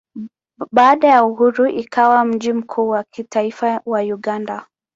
Baada ya uhuru ikawa mji mkuu wa kitaifa wa Uganda.